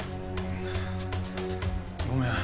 ごめん。